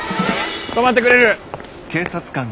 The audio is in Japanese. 止まってくれる？